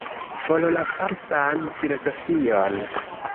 For la falsan filozofion!